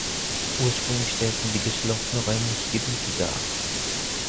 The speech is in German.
Ursprünglich stellten sie geschlossene räumliche Gebiete dar.